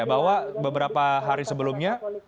bahwa beberapa hari sebelumnya